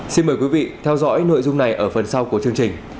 xin mời quý vị theo dõi nội dung này ở phần sau của chương trình